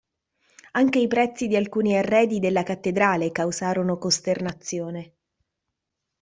Anche i prezzi di alcuni arredi della cattedrale causarono costernazione.